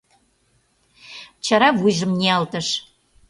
Чара вуйжым ниялтыш.